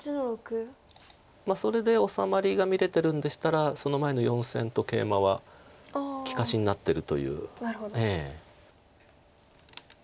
それで治まりが見れてるんでしたらその前の４線とケイマは利かしになってるという。